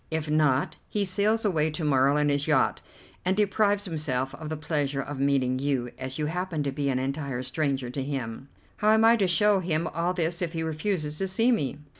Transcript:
If not, he sails away to morrow in his yacht, and deprives himself of the pleasure of meeting you, as you happen to be an entire stranger to him." "How am I to show him all this if he refuses to see me?"